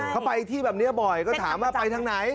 เขาไปที่แบบนี้บ่อยก็ถามว่าไปทางไหน